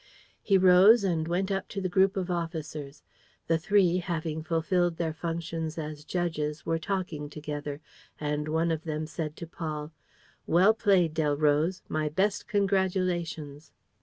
He rose and went up to the group of officers. The three, having fulfilled their functions as judges, were talking together; and one of them said to Paul: "Well played, Delroze. My best congratulations."